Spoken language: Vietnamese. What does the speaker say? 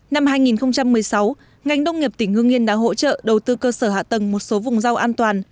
năm hai nghìn một mươi sáu ngành đông nghiệp tỉnh hương yên đã hỗ trợ đầu tư cơ sở hạ tầng một số vùng rau an toàn